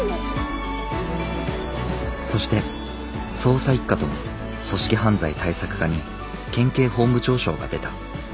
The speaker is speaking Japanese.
そして捜査一課と組織犯罪対策課に県警本部長賞が出た。